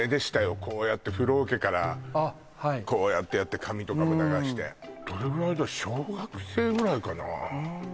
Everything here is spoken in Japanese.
こうやって風呂桶からこうやってやって髪とかも流してどれぐらいだ小学生ぐらいかなあうん